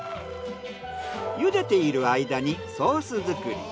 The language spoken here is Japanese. ゆでている間にソース作り。